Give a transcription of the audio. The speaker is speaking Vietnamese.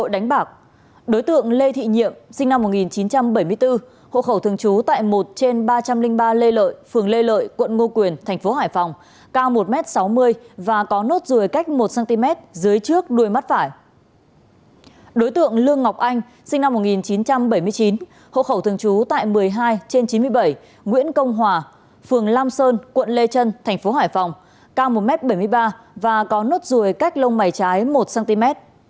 đặng ngọc anh sinh năm một nghìn chín trăm bảy mươi chín hộ khẩu thường trú tại một mươi hai trên chín mươi bảy nguyễn công hòa phường lam sơn quận lê trân thành phố hải phòng cao một m bảy mươi ba và có nốt ruồi cách lông mày trái một cm